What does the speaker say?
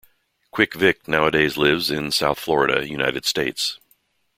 "Quick Vic" nowadays lives in South Florida, United States.